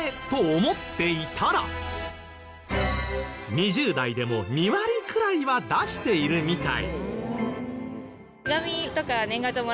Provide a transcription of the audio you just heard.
２０代でも２割くらいは出しているみたい。